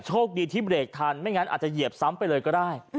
โชคดีที่เบรกทันไม่งั้นอาจจะเหยียบซ้ำไปเลยก็ได้